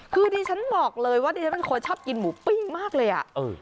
คือดิฉันบอกเลยว่าดิฉันเป็นคนชอบกินหมูปิ้งมากเลยอ่ะ